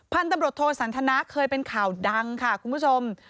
พันธุ์ตำรวจโทสันทนาเคยเป็นข่าวดังค่ะคุณผู้ชม